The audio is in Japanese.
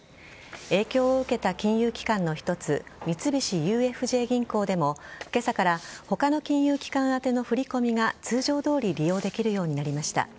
影響を受けた金融機関の一つ三菱ＵＦＪ銀行でも今朝から他の金融機関宛の振り込みが通常どおり利用できるようになりました。